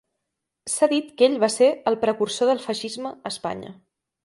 S"ha dit que ell va ser el precursor del feixisme a Espanya.